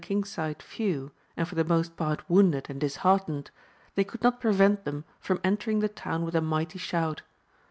king's side few, and for the most part wounded and disheartened, they could not prevent them from enter ing the town with a mighty shout.